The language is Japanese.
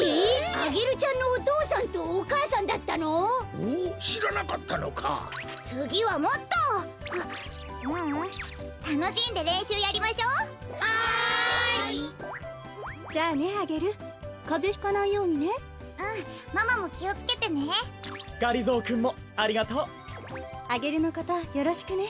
アゲルのことよろしくね。